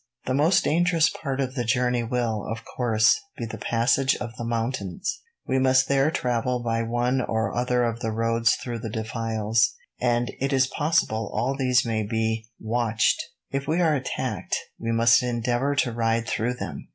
"The most dangerous part of the journey will, of course, be the passage of the mountains. We must there travel by one or other of the roads through the defiles, and it is possible all these may be watched. If we are attacked, we must endeavour to ride through them.